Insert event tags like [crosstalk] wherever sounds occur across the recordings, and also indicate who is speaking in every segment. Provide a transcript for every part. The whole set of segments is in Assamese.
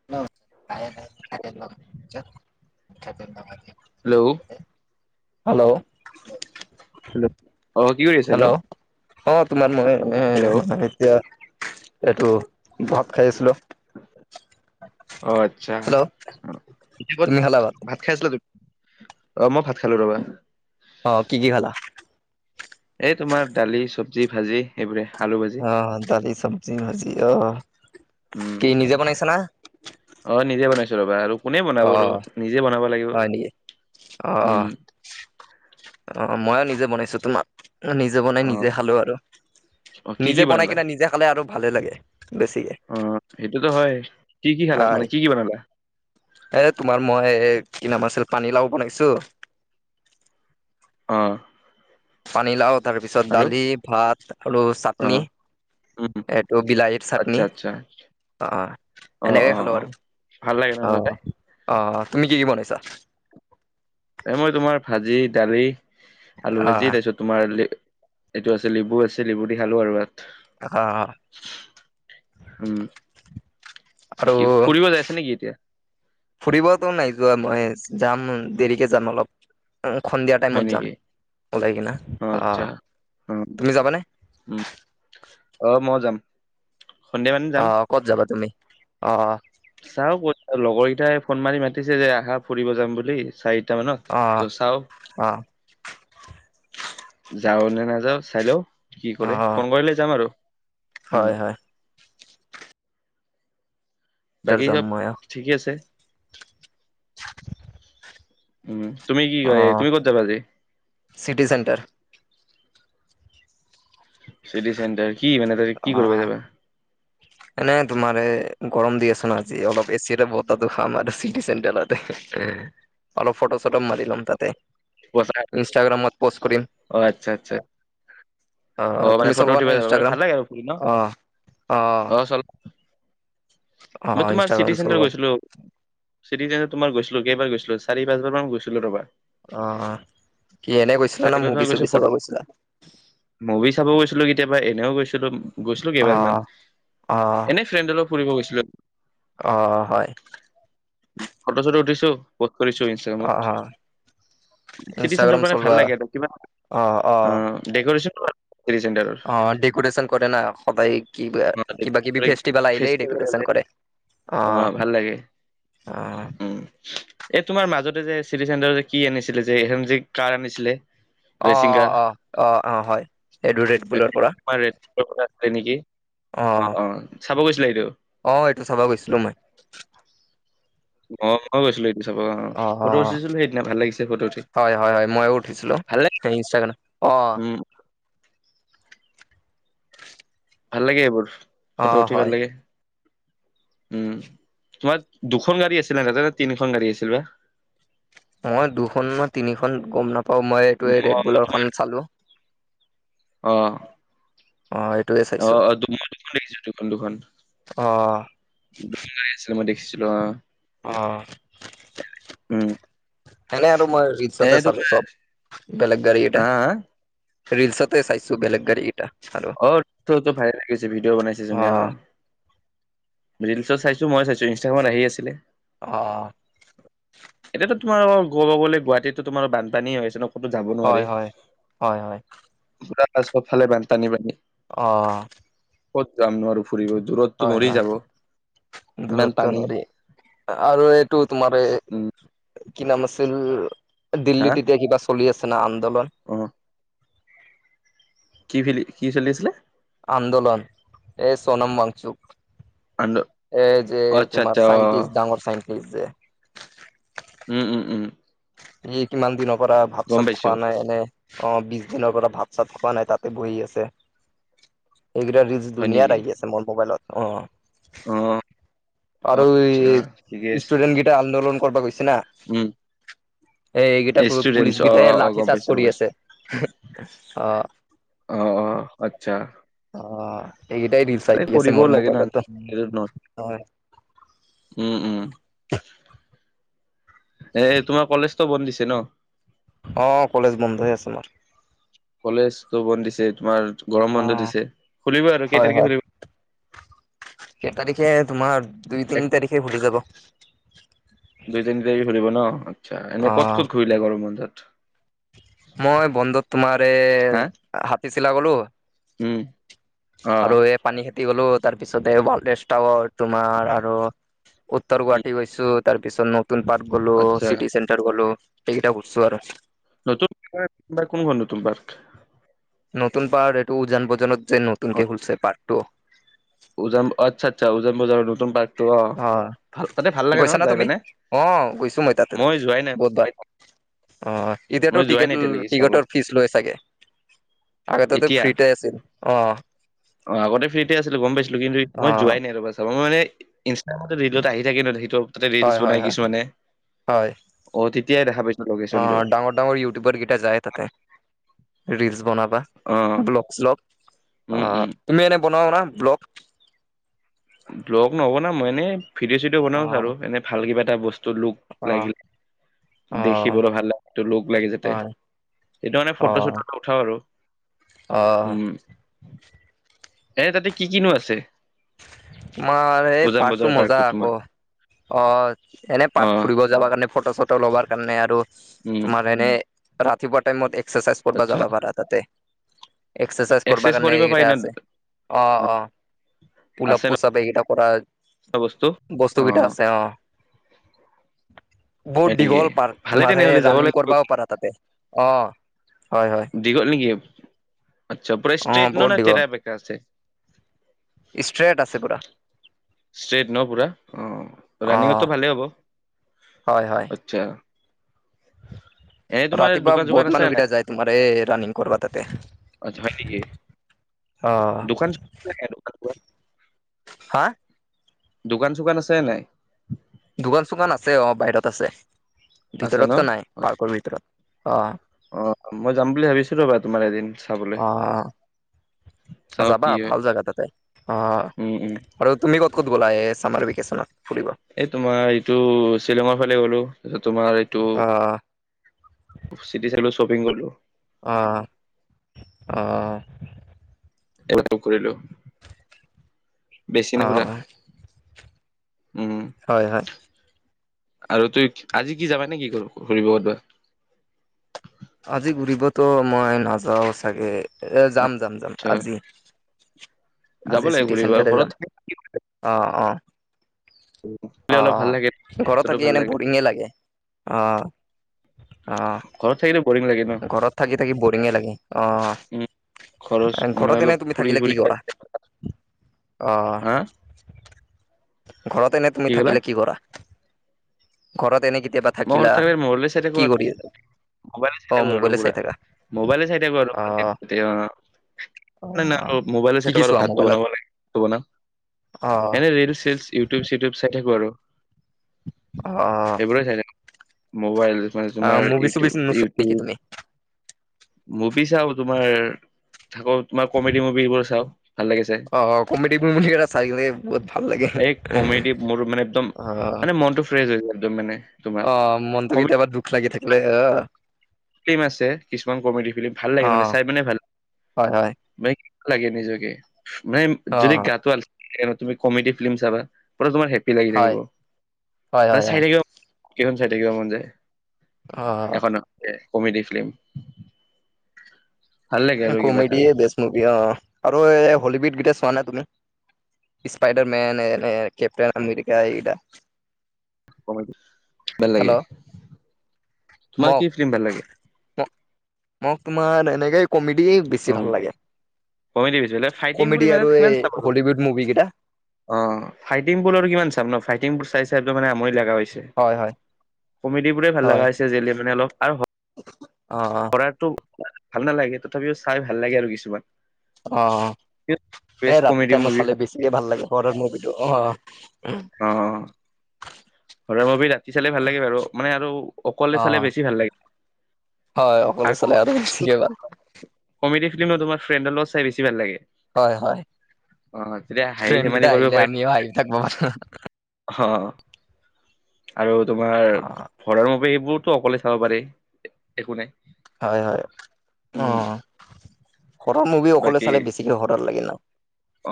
Speaker 1: [inaudible]
Speaker 2: হেল্ল'।
Speaker 1: হেল্ল'।
Speaker 2: হেল্ল' অ' কি কৰি আছে হেল্ল'।
Speaker 1: অ', তোমাৰ মই এ
Speaker 2: হেল্ল'
Speaker 1: মানে এতিয়া এইটো ভাত খাই আছিলো।
Speaker 2: অ আচ্ছা
Speaker 1: হেল্ল'
Speaker 2: এতিয়া ক'ত
Speaker 1: তুমি খালা ভাত?
Speaker 2: ভাত খাইছিলা তুমি, অ' মই ভাত খালো ৰ'বা।
Speaker 1: অ', কি কি খালা?
Speaker 2: এই তোমাৰ দালি চবজি ভাজি। এইবোৰে আলু ভাজি।
Speaker 1: অ', দালি চবজি ভাজি আহ
Speaker 2: উম
Speaker 1: কি নিজে বনাইছা না?
Speaker 2: অ', নিজে বনাইছোঁ ৰ'বা আৰু কোনে
Speaker 1: অ
Speaker 2: বনাব আৰু নিজে বনাব লাগিব
Speaker 1: হয় নেকি অ অ
Speaker 2: উম।
Speaker 1: অ', মইয়ো নিজে বনাইছো তোমাৰ নিজে বনাই
Speaker 2: অ
Speaker 1: নিজে খালো আৰু
Speaker 2: অ কি কি
Speaker 1: নিজে বনাই
Speaker 2: বনালা
Speaker 1: কিনে নিজে খালে আৰু ভালে লাগে বেছিকে।
Speaker 2: অ', সেইটোতো হয়। কি কি খালা
Speaker 1: হয়
Speaker 2: মানে কি কি বনালা?
Speaker 1: এ তোমাৰ মই কি নাম আছিল পানী লাও বনাইছো।
Speaker 2: অ'।
Speaker 1: পানীলাও তাৰপিছত
Speaker 2: আৰু
Speaker 1: দালি ভাত আৰু
Speaker 2: অ
Speaker 1: চাটনি।
Speaker 2: উম
Speaker 1: এইটো বিলাহীৰ
Speaker 2: আচ্ছা
Speaker 1: চাটনি
Speaker 2: আচ্ছা
Speaker 1: অ'।
Speaker 2: অ
Speaker 1: এনেকে
Speaker 2: অ
Speaker 1: খালো
Speaker 2: অ
Speaker 1: আৰু
Speaker 2: ভাল লাগে ন খাই
Speaker 1: অ' অহ তুমি কি কি বনাইছা?
Speaker 2: এ মই তোমাৰ ভাজি দালি আলু ভাজি
Speaker 1: আহ
Speaker 2: তাৰপিছত তোমাৰ এইটো আছে লেবু আছে লেবু দি খালো আৰু ভাত
Speaker 1: আহ।
Speaker 2: উম,
Speaker 1: আৰু
Speaker 2: কি ফুৰিব যায় আছা নেকি এতিয়া?
Speaker 1: ফুৰিতো নাই যোৱা মই যাম দেৰিকে যাম অলপ। সন্ধিয়া
Speaker 2: হয়
Speaker 1: টাইমত যাম
Speaker 2: নেকি
Speaker 1: ওলাই কিনা অ'
Speaker 2: অ
Speaker 1: তুমি যাবানে?
Speaker 2: উম অ', মই যাম সন্ধিয়া মানে যাম।
Speaker 1: আহ ক'ত যাবা তুমি অ' অ'।
Speaker 2: চাওঁ ক'ত লগৰকেইটাই ফোন মাৰি মাতিছে যে আহা ফুৰিব যাম বুলি চাৰি চাৰিটা মানত
Speaker 1: অ
Speaker 2: ত' চাওঁ।
Speaker 1: অ
Speaker 2: যাওঁ নে নাযাওঁ চাই লওঁ কি
Speaker 1: অ
Speaker 2: কৰে ফোন কৰিলে যাম আৰু। উম
Speaker 1: হয়, হয়। তাৰ
Speaker 2: বাকি
Speaker 1: যাম
Speaker 2: চব
Speaker 1: মই অ
Speaker 2: ঠিকেই আছে উম তুমি কি কই তুমি ক'ত যাবা আজি
Speaker 1: চিটি চেণ্টাৰ
Speaker 2: চিটি চেণ্টাৰ কি মানে তাতে কি কৰিব যাবা?
Speaker 1: মানে তোমাৰ এ গৰম দি আছ ন আজি অলপ এচিটে বতাহটো খাম আৰু চিটি চেণ্টাৰত অলপ ফটো-চটো মাৰি লম তাতে
Speaker 2: অ
Speaker 1: ইনষ্টাগ্ৰামত পষ্ট কৰিম
Speaker 2: আচ্ছা আচ্ছা অ মানে
Speaker 1: তুমি
Speaker 2: ফটো
Speaker 1: চলোৱা নে
Speaker 2: উঠিব যাবা মানে
Speaker 1: ইনষ্টাগ্ৰাম
Speaker 2: ভাল লাগে আৰু ফুৰি ন
Speaker 1: অ অ অ
Speaker 2: মই তোমাৰ চিটি
Speaker 1: ইনষ্টাগ্ৰাম
Speaker 2: চেণ্টাৰ
Speaker 1: চলোৱা
Speaker 2: গৈছিলো চিটি চেণ্টাৰত তোমাৰ গৈছিলোঁ কেইবাৰ গৈছিলোঁ চাৰি পাঁচ বাৰ মান গৈছিলোঁ ৰবা
Speaker 1: অ অ কি এনে গৈছিলা না
Speaker 2: চাৰি
Speaker 1: মুভি
Speaker 2: পাঁচবাৰ গৈছো
Speaker 1: চাব
Speaker 2: ফটো
Speaker 1: গৈছিলা
Speaker 2: মুভি চাবও গৈছিলো কেতিয়াবা এনেও গৈছিলো, গৈছিলো
Speaker 1: অ
Speaker 2: কেইবাৰ মান
Speaker 1: অ
Speaker 2: এনে ফ্ৰেণ্ডৰ লগত ফুৰিব গৈছিলো
Speaker 1: অ অ হয়
Speaker 2: ফটো-চটো উঠিছো পোষ্ট কৰিছো ইন
Speaker 1: অ
Speaker 2: ষ্টাগ্ৰামত
Speaker 1: অ
Speaker 2: চিটি চেণ্টাৰত
Speaker 1: ইনষ্টাগ্ৰাম
Speaker 2: মানে ভাল
Speaker 1: চলোৱা
Speaker 2: লাগে আৰু কিবা, অ ডেকৰেচনটো ভাল চিটি চেণ্টাৰৰ
Speaker 1: অ ডেক'ৰেচন কৰে না সদায় কিবা কিবাকিবি ফেষ্টিভেল আহিলেই
Speaker 2: ফেষ্টিভেল আছে,
Speaker 1: ডেকৰেচন কৰে। অ
Speaker 2: ভাল লাগে
Speaker 1: অ
Speaker 2: উম এই তোমাৰ মাজতে যে চিটি চেণ্টাৰত যে কি আনিছিলে যে এখন যে কাৰ আনিছিলে
Speaker 1: অ অ
Speaker 2: ৰেচিংগাৰ
Speaker 1: অ অ অ হয় এইটো ৰেড বুলৰ পৰা
Speaker 2: তোমাৰ ৰেচিংগাৰ কথা‌ আছিলেনেকি অ অ চাব গৈছিলে সেইটো
Speaker 1: অ এইটো চাব গৈছিলোঁ মই
Speaker 2: অ ময়ো গৈছিলোঁ চাব অ ফটো উঠিছিলো সেইদিনা ভাল লাগিছে ফটো উঠি ভাল লাগ
Speaker 1: সেই ইনষ্টাগ্ৰাম অ
Speaker 2: ভাল লাগে এইবোৰ
Speaker 1: অ
Speaker 2: ফটো উঠি
Speaker 1: হয়
Speaker 2: ভাল লাগে উম তোমাৰ দুখন গাড়ী আছিলে না তিনিখন গাড়ী আছিল বা
Speaker 1: মই দুখন না তিনিখন গম নাপাও মই এইটো
Speaker 2: উম, অ
Speaker 1: ৰেড বলৰ খন
Speaker 2: তোমাৰ
Speaker 1: চালো
Speaker 2: অ
Speaker 1: অ এটোৱে
Speaker 2: অহ অহ তুমিও দুখন দেখিছা দুখন দুখন
Speaker 1: অ
Speaker 2: দুখন গড়ী আছিল মই দেখিছিলো অ
Speaker 1: অ
Speaker 2: উম
Speaker 1: অনেই আৰু মই
Speaker 2: এ
Speaker 1: ৰিলচটে
Speaker 2: তোমাৰ
Speaker 1: চালোঁ চব বেলেগ গাৰি
Speaker 2: হা
Speaker 1: এটা
Speaker 2: হা
Speaker 1: ৰিলচতে চাইছো বেলেগা গড়ী এটা আৰু
Speaker 2: অ তুটো ভাইৰেল হৈ গৈছে ভিডিঅ' বনাইছে যেনে অ ৰিলছট চাইছো মই চাইছো ইনষ্টাগ্ৰামত আহি আছিলে
Speaker 1: অ
Speaker 2: এতিয়াতো তোমাৰ ক'ব গলে গুৱাহাটীতো তোমাৰ বানীপানী হৈ আছে ন ক'তো যাব
Speaker 1: হয়
Speaker 2: নোৱাৰে
Speaker 1: হয় হয় হয়
Speaker 2: পুৰা চবফালে বানপানী পান
Speaker 1: অ
Speaker 2: ক'ত যাম নো আৰু ফুৰিব? দূৰতো নোৱাৰি যাব। [inaudible] ইমান
Speaker 1: দূৰতটো
Speaker 2: পানী
Speaker 1: নোৱাৰি। আৰু এইটো তোমাৰ এ [unintelligible]
Speaker 2: উম
Speaker 1: কি নাম আছিল? দিল্লীত এতিয়া কিবা চলি আছে না আন্দোলন? [unintelligible]
Speaker 2: অঁ! [inaudible] কি ফিলি কি চলি আছিলে? [inaudible]
Speaker 1: আন্দোলন। এই সোনাম ৱাংচুক। [inaudible]
Speaker 2: আন্দো
Speaker 1: এই যে
Speaker 2: অ', আচ্ছা
Speaker 1: তোমাৰ
Speaker 2: আচ্ছা অ',
Speaker 1: চাইণ্টিষ্ট ডাঙৰ চাইন্টিষ্ট যে। [inaudible]
Speaker 2: উম-উম-উম। [inaudible]
Speaker 1: ই কিমান দিনৰ পৰা ভাত-চাত
Speaker 2: পাইছো
Speaker 1: খোৱা নাই এনে? [inaudible] অঁ! বিছ দিনৰ পৰা ভাত-চাত খোৱা নাই তাতে বহি আছে। এইকেইটা ৰি [inaudible]
Speaker 2: হয়
Speaker 1: দুনিয়াৰ
Speaker 2: নেকি?
Speaker 1: আহি আছে মোৰ মোবাইলত। অঁ! [unintelligible]
Speaker 2: অ! [inaudible] অ',
Speaker 1: আৰু
Speaker 2: আচ্ছা ঠিকে
Speaker 1: এই
Speaker 2: আছে।
Speaker 1: ষ্টুডেট কেইটাই আন্দোলন কৰিবা গৈছে না। [inaudible]
Speaker 2: [inaudible]
Speaker 1: এই এইকেইটা পুলিচ
Speaker 2: ষ্টুডেন্টছ অ',
Speaker 1: কেইটাই
Speaker 2: অ', অ',
Speaker 1: লাঠি
Speaker 2: গম
Speaker 1: চাজ
Speaker 2: পাইছো গম
Speaker 1: কৰি
Speaker 2: পাইছো
Speaker 1: আছে। অ! [inaudible]
Speaker 2: অঁ! আচ্ছা। [inaudible]
Speaker 1: অ! এইকেইটাই ৰিলছ
Speaker 2: আৰে
Speaker 1: আহি আছে
Speaker 2: কৰিবও
Speaker 1: মোৰ
Speaker 2: লাগে না
Speaker 1: মোবাইলতো। হয়। [inaudible]
Speaker 2: উম-উম। [inaudible] এ তোমাৰ কলেজতো বন্ধ দিছে ন? [inaudible]
Speaker 1: অঁ! কলেজ বন্ধ হৈ আছে মোৰ। [inaudible]
Speaker 2: কলেজতো বন্ধ দিছে তোমাৰ গৰম
Speaker 1: অ
Speaker 2: বন্ধ দিছে। খুলিব আৰু কেই
Speaker 1: হয়
Speaker 2: তাৰিখে
Speaker 1: হয়
Speaker 2: খুলিব? [unintelligible]
Speaker 1: [inaudible] কেই তাৰিখে তোমাৰ
Speaker 2: এক
Speaker 1: দুই-তিনি তাৰিখে খুলি যাব।
Speaker 2: দুই-তিনি তাৰিখে খুলিব ন। আচ্ছা! এনে
Speaker 1: অ
Speaker 2: ক'ত-ক'ত ঘূৰিলা গৰমত? [inaudible]
Speaker 1: মই বন্ধত তোমাৰ এ
Speaker 2: হা
Speaker 1: হাতী চিলা গলোঁ। [inaudible]
Speaker 2: উম! [inaudible] অ',
Speaker 1: আৰু এই পানী খেতি গলো তাৰ পিছত এই ৱালজ টাৱাৰ তোমাৰ আৰু [inaudible] উত্তৰ
Speaker 2: উম,
Speaker 1: গুৱাহাটী গৈছোঁ তাৰপিছত মোক [inaudible] নতুন পাৰ্ক গ'লো,
Speaker 2: আচ্ছা
Speaker 1: চিটি চেণ্টাৰ গ'লো এইকেইটা ঘূৰিছোঁ আৰু। [inaudible]
Speaker 2: নতুন পাৰ্ক? [inaudible] কোনখন নতুন পাৰ্ক?
Speaker 1: নতুন পাৰ্ক এইটো উজান বজাৰত যে
Speaker 2: অ'।
Speaker 1: নতুনকে খুলিছে পাৰ্কটো। [inaudible]
Speaker 2: উজান [unintelligible] আচ্ছা-আচ্ছা উজান বজাৰৰ নতুন পাৰ্কটো অ। তাতে ভাল লাগে ন যাই পিনে? [inaudible]
Speaker 1: অঁ! গৈছো মই তাতে
Speaker 2: যোৱাই নাই
Speaker 1: বহুতবাৰ। [inaudible] অঁ!
Speaker 2: মই
Speaker 1: এতিয়াতো
Speaker 2: যোৱাই নাই এতিয়ালৈকে চাব
Speaker 1: টিকট-টিকটৰ ফিজ লৈ চাগে? [inaudible] আগতেতো ফ্ৰীতে আছিল। অঁ! [inaudible]
Speaker 2: অঁ! আগতে ফ্ৰীতে আছিল গম পাইছিলো। কিন্তু
Speaker 1: অ
Speaker 2: মই যোৱাই নাই ৰবা চাবা মই মানে [inaudible] ইনষ্টাগ্ৰামো ৰিলত আহি থাকে ন। সেইটো তাতে ৰিলচ
Speaker 1: হয় হয়
Speaker 2: বনাই
Speaker 1: হয়
Speaker 2: কিছুমানে। অ! তেতিয়াই দেখা পাইছো। [unintelligible]
Speaker 1: অঁ! ডাঙৰ-ডাঙৰ ইউটিউবাৰ কেইটা যায় তাতে ৰিলচ বনাবা।
Speaker 2: অ
Speaker 1: [inaudible] ব্লক-শ্লক। অ!
Speaker 2: উম উম
Speaker 1: তুমি এনেই বনাও না ব্লক? [inaudible]
Speaker 2: ব্লগ নবনাও মই। এনেই ভিডিঅ'-চিডিঅ
Speaker 1: অ
Speaker 2: বনাও আৰু এনেই ভাল কিবা এটা বস্তু লুক
Speaker 1: অ
Speaker 2: লাগিলে। [inaudible] দেখিবলৈ
Speaker 1: অ
Speaker 2: ভাল লাগেটো লোক লাগে যাতে
Speaker 1: হয়
Speaker 2: সেইটো মানে
Speaker 1: অ
Speaker 2: ফটো-চটো উঠাও আৰু। [inaudible]
Speaker 1: অ! [unintelligible]
Speaker 2: এনেই তাতে কি কি নো আছে? [unintelligible]
Speaker 1: তোমাৰ এই
Speaker 2: উজান বজাৰ
Speaker 1: পাৰ্কটো মজা
Speaker 2: তোমাৰ
Speaker 1: আকৌ। [inaudible] অ! এনেই
Speaker 2: অ
Speaker 1: পাৰ্ট ফুৰিব যাব কাৰণে ফটো-চটো [inaudible] ফটো লবৰ কাৰণে আৰু
Speaker 2: উম
Speaker 1: তোমাৰ এনেই ৰাতিপুৱা টাইমত এক্সাৰচাইজ কৰিব
Speaker 2: আচ্ছা
Speaker 1: যাবা পাৰা। [inaudible] তাতে, এক্সেচাইজ কৰ্বা
Speaker 2: এক্সেছ
Speaker 1: কাৰণে
Speaker 2: কৰিব পাৰি
Speaker 1: এইকেইটা
Speaker 2: ন
Speaker 1: আছে অ', অ'। পোলাপ
Speaker 2: আছে ন
Speaker 1: পোচাপ এইকেইটা কৰা
Speaker 2: বস্তু অ
Speaker 1: বস্তু কেইটা আছে অ'। বহুত
Speaker 2: হয় নেকি
Speaker 1: দীঘল পাৰ্ক
Speaker 2: ভালে
Speaker 1: তোমাৰ সেই
Speaker 2: তেনেহ'লে যাব
Speaker 1: ৰাণিং
Speaker 2: লাগিব
Speaker 1: কৰবাও পাৰা তাতে অ'। হয় হয়
Speaker 2: দীঘল নেকি আচ্ছা
Speaker 1: অ
Speaker 2: প্ৰাইষ্ট্ৰেইট না
Speaker 1: বহুত
Speaker 2: না
Speaker 1: দীঘল
Speaker 2: তেৰা বেকা আছে?
Speaker 1: ষ্ট্ৰেট আছে পুৰা
Speaker 2: ষ্ট্ৰেট ন পুৰা অ',
Speaker 1: অ
Speaker 2: ৰাণিঙতো ভালেই হ'ব
Speaker 1: হয় হয়
Speaker 2: আচ্ছা [inaudible] এনে তোমাৰ
Speaker 1: ৰাতিপুৱা
Speaker 2: দোকান চোকান
Speaker 1: বহুত
Speaker 2: আছে নাই
Speaker 1: মানুহকেইটা যায় তোমাৰ এই ৰাণিং কৰব তাতে।
Speaker 2: আত হয় নিকি?
Speaker 1: অ'।
Speaker 2: [unintelligible]
Speaker 1: হা
Speaker 2: দোকান চোকান আছে নাই?
Speaker 1: দোকান চোকান আছে অ', বাহিৰত আছে।
Speaker 2: আছে ন
Speaker 1: ভিতৰততো নাই, পাৰ্কৰ ভিতৰত অ'।
Speaker 2: অ', মই যাম বুলি ভাবিছিলোঁ বাৰু তোমাৰ এদিন চাবলৈ
Speaker 1: অ', অ',
Speaker 2: চাও
Speaker 1: যাবা
Speaker 2: কি হয়
Speaker 1: ভাল জাগা তাতে অ', অ'।
Speaker 2: উম উম
Speaker 1: আৰু তুমি ক'ত ক'ত গ'লা এই ছামাৰ ভিকেশ্যনত ফুৰিব?
Speaker 2: এ, তোমাৰ এইটো শ্বিলঙৰ ফালে গ'লো তাছত তোমাৰ এইটো
Speaker 1: [unintelligible]
Speaker 2: চিটি চাইিলো শপিং গলোঁ।
Speaker 1: অ', অ'। অ', অ',
Speaker 2: [unintelligible] ঘূৰিলো। বেছি
Speaker 1: অ
Speaker 2: না ঘুৰা উম,
Speaker 1: হয় হয়
Speaker 2: আৰু তুই আজি কি যাবা নে কি কৰ ঘূৰিব [unintelligible]
Speaker 1: আজি ঘূৰিবতো মই নাযাওঁ চাগে। এ, যাম যাম যাম
Speaker 2: আচ্ছা
Speaker 1: আজি
Speaker 2: যাব
Speaker 1: আজি
Speaker 2: লাগে
Speaker 1: চিটি
Speaker 2: ঘূৰিবা
Speaker 1: চেণ্টাৰে যাম
Speaker 2: ঘৰত থাকি [unintelligible]
Speaker 1: অ', অ'।
Speaker 2: থাকিলে অলপ ভাল
Speaker 1: অ',
Speaker 2: লাগে।
Speaker 1: অ', ঘৰত
Speaker 2: বস্তুটো
Speaker 1: থাকি
Speaker 2: ভাল
Speaker 1: এনে
Speaker 2: লাগে
Speaker 1: বৰিঙে লাগে। অ', অ'।
Speaker 2: ঘৰত থাকিলে বৰিং লাগে ন
Speaker 1: ঘৰত থাকি থাকি বৰিঙে লাগে অ'।
Speaker 2: উম খৰচ
Speaker 1: এ,
Speaker 2: মানে
Speaker 1: ঘৰত
Speaker 2: অলপ
Speaker 1: এনেই তুমি
Speaker 2: ফুৰি
Speaker 1: থাকিলে কি
Speaker 2: ফুৰি
Speaker 1: কৰা? অ'।
Speaker 2: হা
Speaker 1: ঘৰত এনে তুমি থাকিলে কি কৰা? ঘৰত এনে কেতিয়াবা
Speaker 2: মৰ
Speaker 1: থাকিলা
Speaker 2: থাকে মৰলে চাই
Speaker 1: কি
Speaker 2: থাকোঁ আৰু।
Speaker 1: কৰি
Speaker 2: মবাইলে চাই
Speaker 1: অ
Speaker 2: থাকোঁ আৰু
Speaker 1: মোবাইলে চাই
Speaker 2: পুৰা
Speaker 1: থাকা
Speaker 2: মবাইলে চাই থাকোঁ আৰু [unintelligible]
Speaker 1: অ অ
Speaker 2: [unintelligible] মোবাইলে
Speaker 1: কি
Speaker 2: চাই
Speaker 1: কি
Speaker 2: থকা আৰু
Speaker 1: চোৱা
Speaker 2: ভাতটো
Speaker 1: মোবাইলত
Speaker 2: বনাব লাগে, টো বনাওঁ।
Speaker 1: অ
Speaker 2: এনে ৰিলচ চিলচ ইউটিব চিউটিব চাই থাকোঁ আৰু।
Speaker 1: অ'।
Speaker 2: এইবোৰে চাই [unintelligible] মবাইল মানে
Speaker 1: অ
Speaker 2: তোমাৰ
Speaker 1: মুভি চুভি
Speaker 2: ইউটিউব
Speaker 1: নোচোৱা নেকি
Speaker 2: ইউটিউব
Speaker 1: তুমি
Speaker 2: মভি চাও তোমাৰ থাকত তোমাৰ কমেডি মভিবোৰ চাও ভাল লাগে চাই।
Speaker 1: অ কমেডি মুভি এটা চাই কিনে বহুত ভাল লাগে
Speaker 2: এক কমেদি মোৰ মানে একদম
Speaker 1: অ
Speaker 2: মানে মনটো ফ্ৰেছ হৈ যায় একদম মানে। তোমাৰ
Speaker 1: অ', মনটো
Speaker 2: কমেডি
Speaker 1: কেতিয়াবা দুখ লাগি থাকিলে এ, আ
Speaker 2: ফিল্ম আছে কিছুমান কমেডি ফিল্ম ভাল লাগে মানে চাই মানে ভাল
Speaker 1: হয় হয়
Speaker 2: [unintelligible] লাগে নিজকে মানে
Speaker 1: অ
Speaker 2: যদি গাটো আল [unintelligible] তুমি কমেডি ফিল্ম চাবা [unintelligible] তোমাৰ হেপী লাগি
Speaker 1: হয়
Speaker 2: থাকিব
Speaker 1: হয়
Speaker 2: মানে
Speaker 1: হয়
Speaker 2: চাই
Speaker 1: হয়
Speaker 2: থাকিব কেইখন চাই থাকিব মন যায়
Speaker 1: অ
Speaker 2: এখন [unintelligible] কমেডি ফিল্ম ভাল লাগে আৰু কিবা এটা
Speaker 1: কমেডিয়ে বেষ্ট মুভি অঁ। আৰু হলিউড গেইটা চোৱা নে তুমি? স্পাইডাৰ মেন এনে কেপ্টেন আমেৰিকা এই কেইটা?
Speaker 2: কমেডি ভাল লাগে।
Speaker 1: হেল্ল'
Speaker 2: তোমাৰ কি
Speaker 1: মোক
Speaker 2: ফিল্ম ভাল লাগে
Speaker 1: মোক মোক তোমাৰ এনেকে কমেডি বেছি
Speaker 2: উম
Speaker 1: ভাল লাগে।
Speaker 2: কমেডি বেছি ফাইটিং বোৰ
Speaker 1: কমেডি
Speaker 2: ইমান
Speaker 1: আৰু এই হলিউড মুভি কেইটা।
Speaker 2: অঁ ফাইটিংবোৰ আৰু কিমান চাম ন ফাইটিংবোৰ চাই চাই একদম মানে‌ আমনী লগা হৈছে।
Speaker 1: হয় হয়
Speaker 2: কমেডিবোৰে ভাল লাগা হৈছে আজিকালি মানে অলপ। আৰু
Speaker 1: অঁহ অঁহ।
Speaker 2: কৰাতো ভাল নালাগে তথাপিও চাই ভাল লাগে আৰু কিছুমান।
Speaker 1: অঁহহ
Speaker 2: বেষ্ট
Speaker 1: এই ৰাতি
Speaker 2: কমেডি
Speaker 1: টাইমত
Speaker 2: মুভি
Speaker 1: চালে বেছি কে ভাল লাগে হৰৰ মভিটো, অঁহ অঁহ
Speaker 2: অ
Speaker 1: উম।
Speaker 2: হৰৰ মুভী ৰাতি চালে ভাল লাগে বাৰু, মানে আৰু অকলে
Speaker 1: অ
Speaker 2: চালে বেছি ভাল লাগে।
Speaker 1: হয় অকলে চালে আৰু বেছিকে ভাল।
Speaker 2: কমেডী ফিল্মো তোমাৰ ফ্ৰেণ্ডৰ লগত চাই বেছি ভাল লাগে।
Speaker 1: হয় হয়,
Speaker 2: অ তেতিয়া হাঁহি
Speaker 1: ফ্ৰেণ্ড
Speaker 2: ধেমালি
Speaker 1: কেইটা হাঁহিলে আমিও হাঁহি থাকিব পাৰো।
Speaker 2: অঁ, আৰু তোমাৰ
Speaker 1: অ
Speaker 2: হৰৰ মুভিবোৰটো অকলে চাব পাৰি, একো নাই।
Speaker 1: হয় হয়,
Speaker 2: উম
Speaker 1: অঁহ হৰৰ মুভি অকলে চালে বেছিকৈ হৰৰ লাগে ন।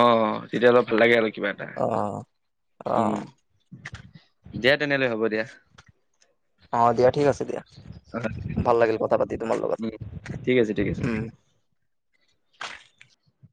Speaker 2: অঁ তেতিয়া অলপ ভাল লাগে আৰু কিবা এটা,
Speaker 1: অ অ
Speaker 2: উম। দিয়া তেনেহ'লে হ'ব দিয়া।
Speaker 1: অঁ দিয়া ঠিক আছে দিয়া।
Speaker 2: অ
Speaker 1: ভাল লাগিল কথা পাতি তোমাৰ লগত
Speaker 2: উম ঠিক আছে ঠিক আছে
Speaker 1: উম।